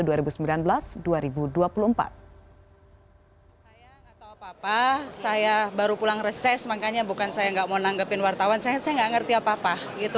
saya nggak tahu apa apa saya baru pulang reses makanya bukan saya nggak mau menanggapin wartawan saya nggak ngerti apa apa